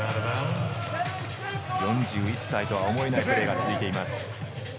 ４１歳とは思えないプレーが続いています。